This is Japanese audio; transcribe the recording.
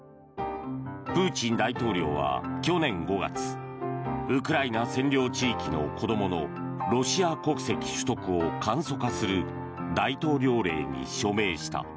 プーチン大統領は去年５月ウクライナ占領地域の子供のロシア国籍取得を簡素化する大統領令に署名した。